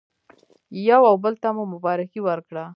یو او بل ته مو مبارکي ورکړه.